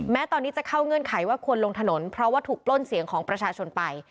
แม้ตอนนี้จะเข้าเงื่อนไขว่าควรลงถนนเพราะว่าถูกปล้นเสียงของประชาชนไป